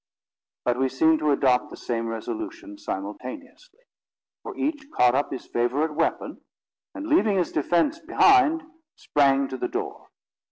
But we seemed to adopt the same resolution simultaneously; for each caught up his favourite weapon, and, leaving his defence behind, sprang to the door.